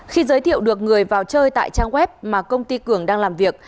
khi giới thiệu được người vào chơi tại trang web mà công ty cường đang làm việc